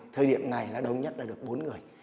thời điểm này đông nhất là được bốn người